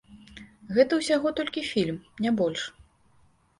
Гэта ўсяго толькі фільм, не больш.